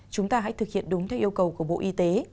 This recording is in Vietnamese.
chúng ta hãy thực hiện đúng theo yêu cầu của bộ y tế